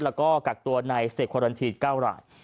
แล้วก็กักตัวในเศรษฐ์ควารันที๙ราย